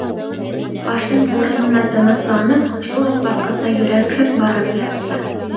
Хашим урынына тынысланып, шул уҡ ваҡытта йөрәкһеп барып ятты.